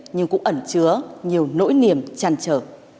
nhưng cũng ẩn chứa nhiều nỗi niềm chăn trở